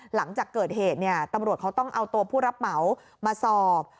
หลังจากเกิดเหตุเนี่ยตำรวจเขาต้องเอาตัวผู้รับเหมามาสอบ